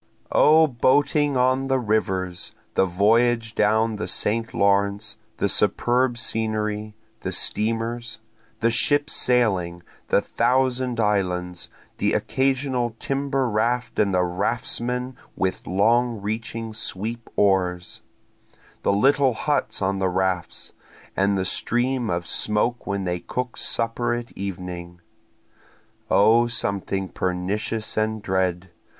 O boating on the rivers, The voyage down the St. Lawrence, the superb scenery, the steamers, The ships sailing, the Thousand Islands, the occasional timber raft and the raftsmen with long reaching sweep oars, The little huts on the rafts, and the stream of smoke when they cook supper at evening. (O something pernicious and dread!